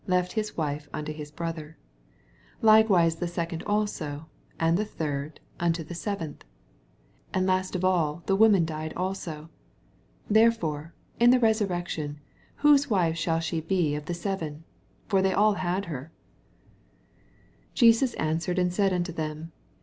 left his wife unto his brother : 26 Likewise the second also, and the third, unto the seventh. 27 And last of all the woman died also. 28 Therefore in the resurrection whose wife shall she be of the seven? fur thoy all had her. 29 Jesis answered and said unto them.